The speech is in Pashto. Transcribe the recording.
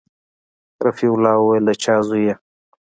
رفيع الله وويل د چا زوى يې.